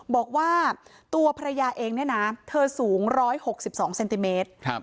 บอกว่าตัวภรรยาเองเนี่ยนะเธอสูง๑๖๒เซนติเมตร